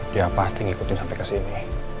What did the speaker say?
dia pasti ngikutin sampai kesini